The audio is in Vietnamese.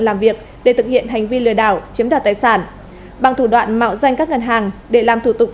làm việc để thực hiện hành vi lừa đảo chiếm đặt tài sản bằng thủ đoạn mạo dây ngân hàng để làm thủ tục